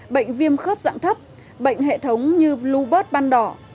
bệnh viêm khớp dạng thấp bệnh hệ thống như blue bird ban đỏ